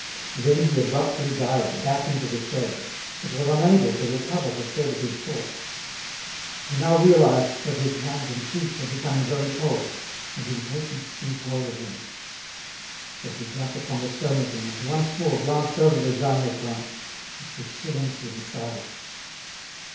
Then he abruptly dived back into the shade, but was unable to recover the thread of his thoughts. He now realised that his hands and feet were becoming very cold, and impatience seized hold of him. So he jumped upon the stone again, and once more glanced over the Jas Meiffren, which was still empty and silent.